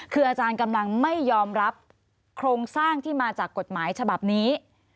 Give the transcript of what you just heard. คืออาจารย์กำลังไม่ยอมรับโครงสร้างที่มาจากกฎหมายฉบับนี้